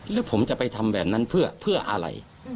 หรือผมจะไปทำแบบนั้นเพื่ออะไร